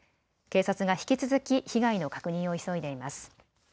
警察が引き続き被害の確認を急いでいます。